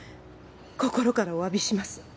心からお詫びします